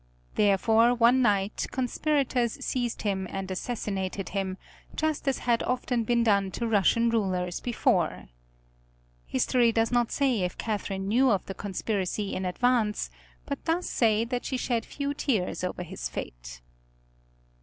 Therefore one night conspirators seized him and assassinated him, just as had often been done to Russian rulers before. History does not say if Catherine knew of the conspiracy in advance, but does say that she shed few tears over his fate.